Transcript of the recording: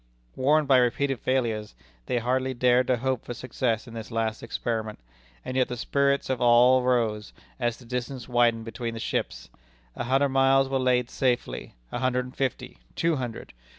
Warned by repeated failures, they hardly dared to hope for success in this last experiment. And yet the spirits of all rose, as the distance widened between the ships. A hundred miles were laid safely a hundred and fifty two hundred!